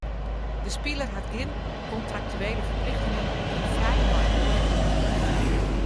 De spiler hat gjin kontraktuele ferplichtingen en kin frij nei in oare klup.